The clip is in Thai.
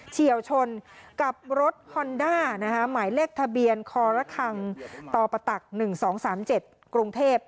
เฉียวชนกับรถฮอนด้าหมายเลขทะเบียนคอระคังตปต๑๒๓๗กรุงเทพ